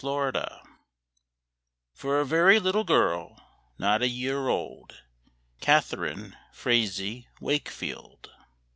Sunshine For a Very Little Girl, Not a Year Old. Catharine Frazee Wakefield.